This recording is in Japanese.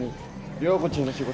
涼子ちんの仕事？